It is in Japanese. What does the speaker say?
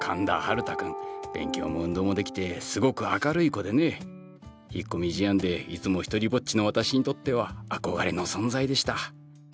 勉強も運動もできてすごく明るい子でね引っ込み思案でいつも独りぼっちの私にとっては憧れの存在でした。